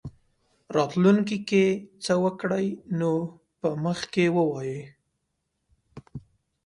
راتلونکې کې څه وکړي نو په مخ کې څه ووایو.